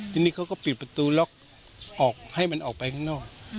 ทีนี้เขาก็ปิดประตูล็อกออกให้มันออกไปข้างนอก